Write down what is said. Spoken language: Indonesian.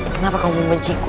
kenapa kamu membenciku